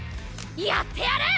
やってやる！